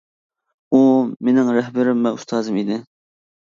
ئۇ مىنىڭ رەھبىرىم ۋە ئۇستازىم ئىدى.